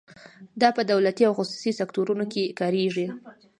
دا په دولتي او خصوصي سکتورونو کې کاریږي.